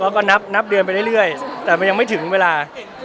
ก็ก็นับนับเดือนไปเรื่อยเรื่อยแต่มันยังไม่ถึงเวลา